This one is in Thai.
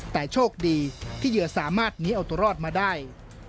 แต่โชคดีที่เหยื่อสามารถหนีเอาตัวรอดมาได้